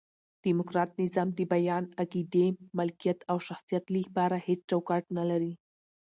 ډیموکرات نظام د بیان، عقیدې، ملکیت او شخصیت له پاره هيڅ چوکاټ نه لري.